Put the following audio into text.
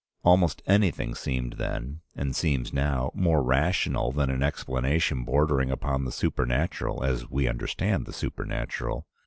Almost anything seemed then, and seems now, more rational than an explanation bordering upon the supernatural, as we understand the supernatural.